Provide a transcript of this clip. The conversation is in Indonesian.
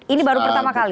ini baru pertama kali